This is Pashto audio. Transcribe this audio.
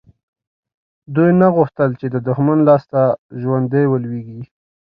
دوی نه غوښتل چې د دښمن لاسته ژوندي ولویږي.